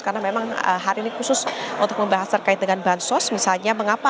karena memang hari ini khusus untuk membahas terkait dengan bahan sos misalnya mengapa